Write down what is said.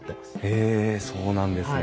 へえそうなんですね。